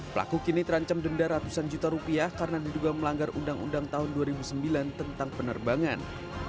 pelaku kini terancam denda ratusan juta rupiah karena diduga melanggar undang undang tahun dua ribu sembilan tentang penerbangan